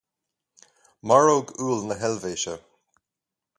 maróg úll na hEilvéise